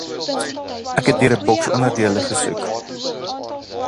Hy het deur 'n boks onderdele gesoek.